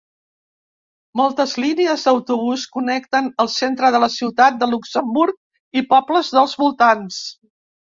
Moltes línies d'autobús connecten el centre de la ciutat de Luxemburg i pobles dels voltants.